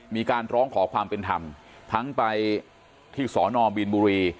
มีการร้องขอความเป็นธรรมทั้งไปที่สอนอบีนบุรี